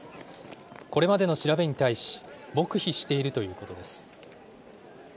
これまでの調べに対し、黙秘しているということです。